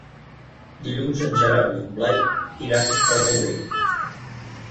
Dilluns en Gerard i en Blai iran al Rourell.